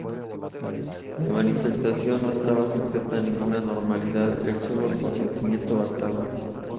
La manifestación no estaba sujeta a ninguna formalidad, el solo consentimiento bastaba.